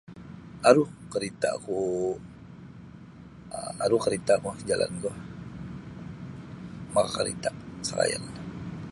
Aru karita'kuu um aru karita'ku ijalanku makakarita' sakayan.